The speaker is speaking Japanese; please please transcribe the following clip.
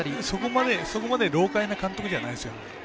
そこまで老かいな監督じゃないですよ。